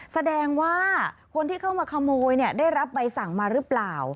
แสดงว่าคนที่เข้ามาขโมยได้รับใบสั่งมาหรือเปล่า